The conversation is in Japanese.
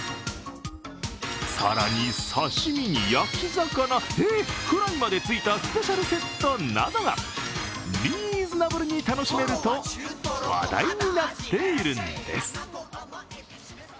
更に、刺身に焼き魚、えっ、フライまでついたスペシャルセットなどがリーズナブルに楽しめると話題になっているんです。